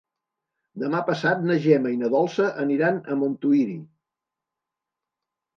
Demà passat na Gemma i na Dolça aniran a Montuïri.